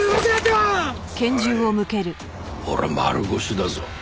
おい俺は丸腰だぞ。